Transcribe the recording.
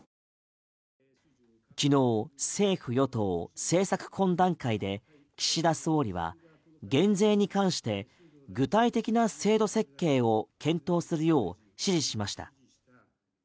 昨日、政府与党政策懇談会で岸田総理は減税に関して具体的な制度設計を検討するよう指示しました。